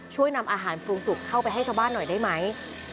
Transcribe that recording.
ช่วยนำอาหารปรุงสุกเข้าไปให้ชาวบ้านหน่อยได้ไหม